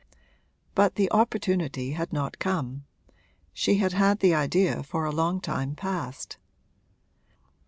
But the opportunity had not come she had had the idea for a long time past.